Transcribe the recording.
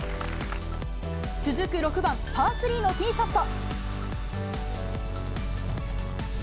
続く６番パー３のティーショット。